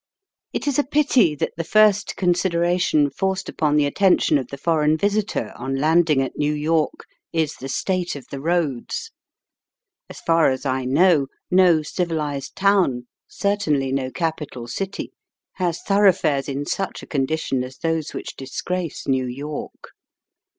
It is a pity that the first consideration forced upon the attention of the foreign visitor on landing at New York is the state of the roads. As far as I know, no civilized town — certainly no capital city — ^has thoroughfares in such a condition as those which disgrace New York.